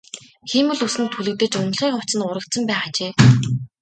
Хиймэл үс нь түлэгдэж унтлагын хувцас нь урагдсан байх ажээ.